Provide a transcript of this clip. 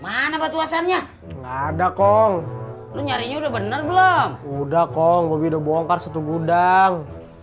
mana batu asarnya ada kong lu nyari udah bener belum udah kong udah bongkar satu gudang